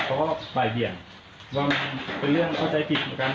เขาก็บ่ายเบี่ยงว่าเป็นเรื่องเข้าใจผิดเหมือนกัน